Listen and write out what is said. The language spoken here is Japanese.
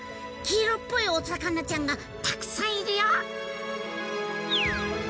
黄色っぽいお魚ちゃんがたくさんいるよ！